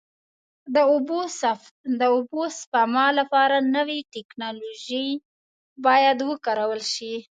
د اوبو سپما لپاره نوې ټکنالوژۍ باید وکارول شي.